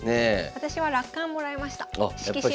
私は落款もらいました色紙の。